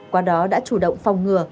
qua đó đã chủ động phòng ngừa